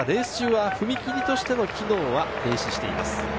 またレース中は踏切としての機能は停止しています。